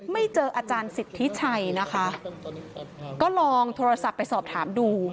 ไม่เจออาจารย์สิทธิชัยนะคะก็ลองโทรศัพท์ไปสอบถามดู